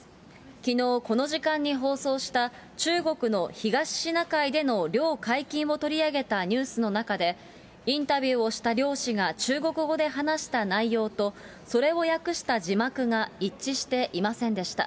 きのう、この時間に放送した、中国の東シナ海での漁解禁を取り上げたニュースの中で、インタビューをした漁師が中国語で話した内容と、それを訳した字幕が一致していませんでした。